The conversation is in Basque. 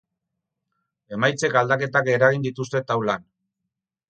Emaitzek aldaketak eragin dituzte taulan.